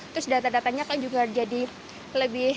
terus data datanya kan juga jadi lebih